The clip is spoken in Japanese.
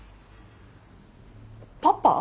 パパ？